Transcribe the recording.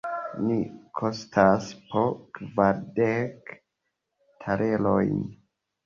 Ni kostas po kvardek talerojn!